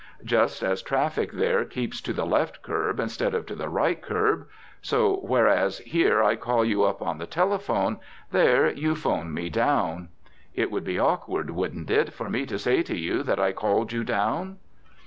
Just as traffic there keeps to the left kerb, instead of to the right curb, so whereas here I call you up on the telephone, there you phone me down. It would be awkward, wouldn't it, for me to say to you that I called you down?